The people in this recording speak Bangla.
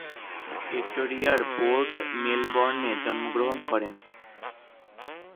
ভিক্টোরিয়ার পোর্ট মেলবোর্নে জন্মগ্রহণ করেন।